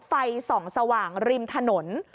ไฟส่องสว่างริมถนน